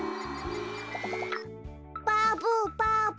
バブバブ。